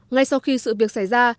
ngay sau khi sự việc xảy ra